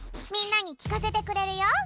みんなにきかせてくれるよ。